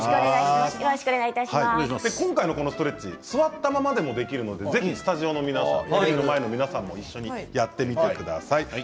今回のストレッチ座ったままでもできるのでぜひスタジオの皆さんも一緒にやってみてください。